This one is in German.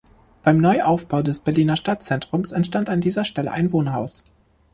Beim Neuaufbau des Berliner Stadtzentrums entstand an dieser Stelle ein Wohnhaus.